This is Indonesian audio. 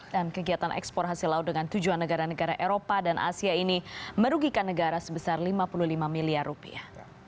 dan kegiatan ekspor hasil laut dengan tujuan negara negara eropa dan asia ini merugikan negara sebesar lima puluh lima miliar rupiah